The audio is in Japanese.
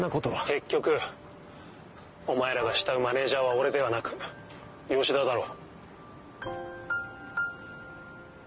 結局お前らが慕うマネジャーは俺ではなく吉田だろ。